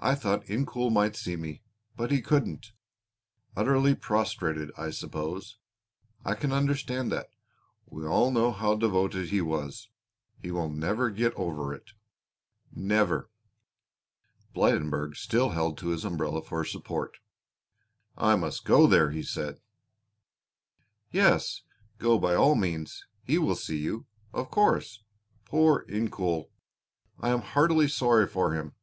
I thought Incoul might see me, but he couldn't. Utterly prostrated I suppose. I can understand that. We all know how devoted he was. He will never get over it never." Blydenburg still held to his umbrella for support. "I must go there," he said. "Yes, go by all means; he will see you, of course. Poor Incoul! I am heartily sorry for him.